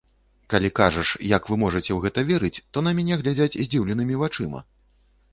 Калі кажаш, як вы можаце ў гэта верыць, то на мяне глядзяць здзіўленымі вачыма.